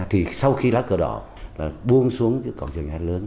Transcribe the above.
thì sau khi lá cờ đỏ buông xuống quảng trường nhà hát lớn